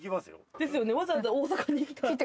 ですよね、わざわざ大阪に来て。